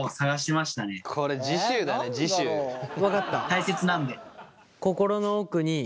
大切なんで。